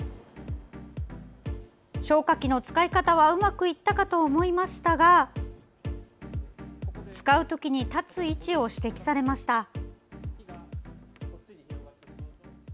消火器の使い方はうまくいったかと思いましたが使うときに立つ位置を指摘されました。